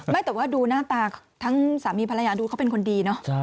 ไม่แต่ว่าดูหน้าตาทั้งสามีภรรยาดูเขาเป็นคนดีเนอะ